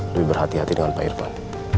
lebih berhati hati dengan pak irfan